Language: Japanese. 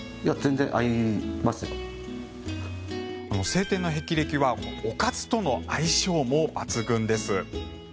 青天の霹靂はおかずとの相性も抜群です。